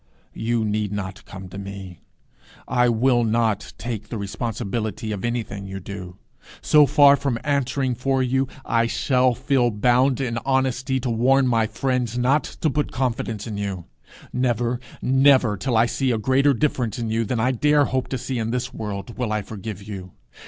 You need not come to me. I will not take the responsibility of anything you do. So far from answering for you, I shall feel bound in honesty to warn my friends not to put confidence in you. Never, never, till I see a greater difference in you than I dare hope to see in this world, will I forgive you.